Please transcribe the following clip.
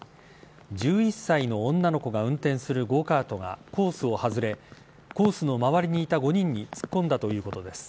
１１歳の女の子が運転するゴーカートがコースを外れコースの周りにいた５人に突っ込んだということです。